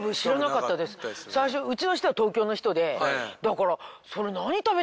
最初うちの人は東京の人でだから。